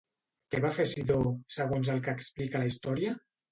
Què va fer Cidó, segons el que explica la història?